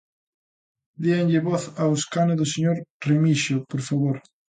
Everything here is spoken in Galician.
Déanlle voz ao escano do señor Remixio, por favor.